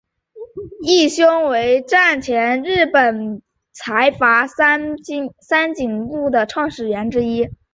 义兄为战前日本财阀三井物产创始人之一。